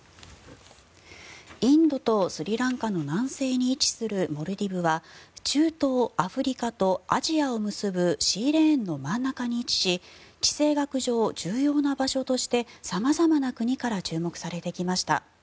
インドとスリランカの南西に位置するモルディブは中東・アフリカとアジアを結ぶシーレーンの真ん中に位置し地政学上、重要な場所として様々な国から注目されてきました。